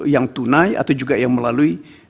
yang tunai atau juga yang melalui